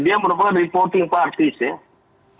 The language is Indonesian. dia merupakan reporting parties ya